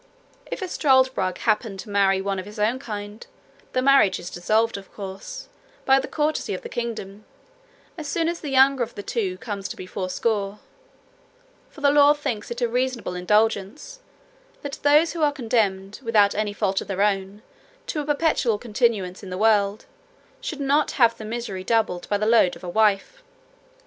"If a struldbrug happen to marry one of his own kind, the marriage is dissolved of course, by the courtesy of the kingdom, as soon as the younger of the two comes to be fourscore; for the law thinks it a reasonable indulgence, that those who are condemned, without any fault of their own, to a perpetual continuance in the world, should not have their misery doubled by the load of a wife.